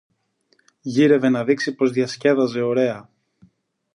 γύρευε να δείξει πως διασκέδαζε ωραία